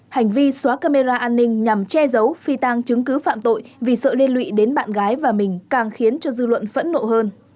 hành vi xóa camera an ninh nhằm che giấu phi tăng chứng cứ phạm tội vì sợ liên lụy đến bạn gái và mình càng khiến cho dư luận phẫn nộ hơn